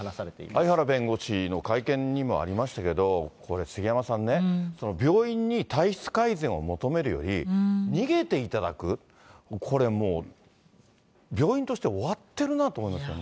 相原弁護士の会見にもありましたけれども、これ、杉山さんね、病院に体質改善を求めるより、逃げていただく、これもう、病院として終わってるなと思いますね。